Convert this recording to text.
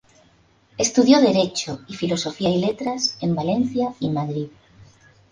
Estudió Derecho y Filosofía y Letras en Valencia y Madrid.